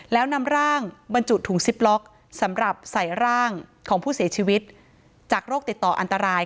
แล้วนำร่างบรรจุถุงซิปล็อกสำหรับใส่ร่างของผู้เสียชีวิตจากโรคติดต่ออันตราย